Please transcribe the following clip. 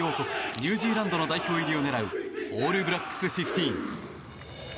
ニュージーランドの代表入りを狙うオールブラックスフィフティーン。